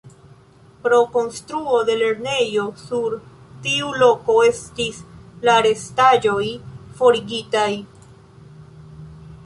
Pro konstruo de lernejo sur tiu loko estis la restaĵoj forigitaj.